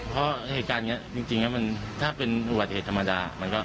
เพราะเหตุการณ์นี้จริงแล้วมันถ้าเป็นอุบัติเหตุธรรมดา